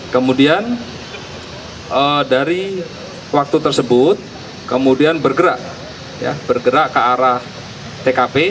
kemudian dari waktu tersebut kemudian bergerak ke arah tkp